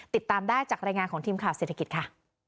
ติดตามได้จากรายงานของทีมข่าวเศรษฐกิจค่ะ